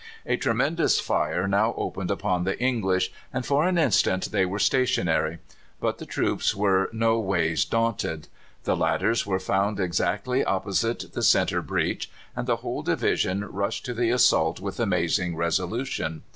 A tremendous fire now opened upon the English, and for an instant they were stationary; but the troops were no ways daunted. The ladders were found exactly opposite the centre breach, and the whole division rushed to the assault with amazing resolution.